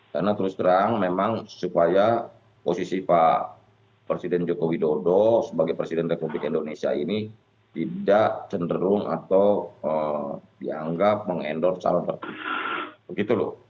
karena terus terang memang supaya posisi pak presiden joko widodo sebagai presiden republik indonesia ini tidak cenderung atau dianggap mengendor calon begitu loh